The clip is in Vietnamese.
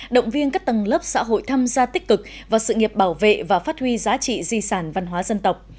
động viên các tầng lớp xã hội tham gia tích cực vào sự nghiệp bảo vệ và phát huy giá trị di sản văn hóa dân tộc